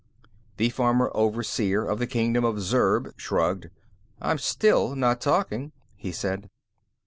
The former Overseer of the Kingdom of Zurb shrugged. "I'm still not talking," he said.